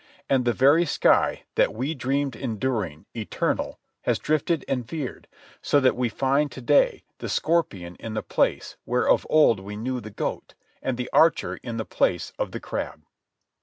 And the very sky, that we dreamed enduring, eternal, has drifted and veered, so that we find to day the scorpion in the place where of old we knew the goat, and the archer in the place of the crab.